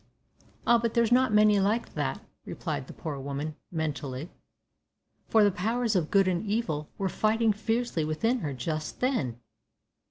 "Ah, but there's not many like that," replied the poor woman, mentally, for the powers of good and evil were fighting fiercely within her just then.